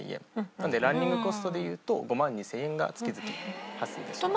なのでランニングコストでいうと５万２０００円が月々発生致します。